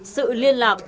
sự liên lạc